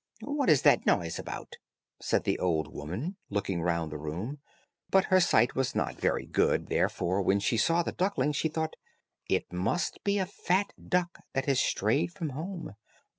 "What is that noise about?" said the old woman, looking round the room, but her sight was not very good; therefore, when she saw the duckling she thought it must be a fat duck, that had strayed from home.